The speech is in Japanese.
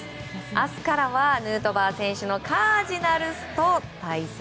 明日からはヌートバー選手のカージナルスと対戦。